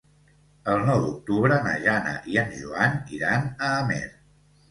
El nou d'octubre na Jana i en Joan iran a Amer.